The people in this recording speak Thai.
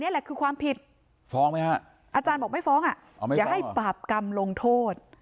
แหละคือความผิดฟ้องไหมฮะอาจารย์บอกไม่ฟ้องอ่ะอย่าให้ปราบกรรมลงโทษ